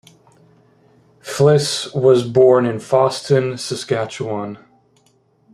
Flis was born in Fosston, Saskatchewan.